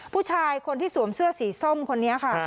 ผู้ชายคนที่สวมเสื้อสีส้มคนนี้ค่ะ